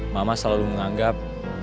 mama selalu menganggap